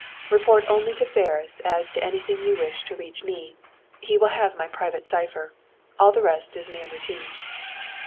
"Report only to Ferris as to any thing you wish to reach me. He will have my private cipher. All the rest is mere routine."